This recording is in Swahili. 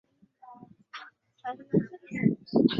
ni mamake ahmed kalian mkubwa said abdallah akihojiwa